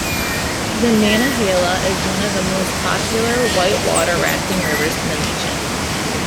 The Nantahala is one of the most popular whitewater rafting rivers in the nation.